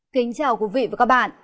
kính chào quý vị và các bạn